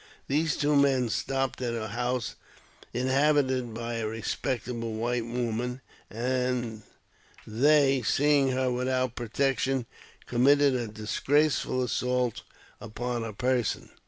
The two men stopped at a house inhabited by a respectable white woman, and they, seeing her without protection, committed a disgraceful assault upon her person.